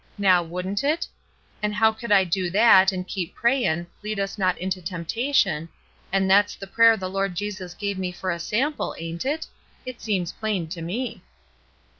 Now, wouldn't it? An' how could I do that, and keep prayin', 'Lead us not into temptation,' an' that's the prayer the Lord Jesus give me for a sample, ain't it? It seems plain to me."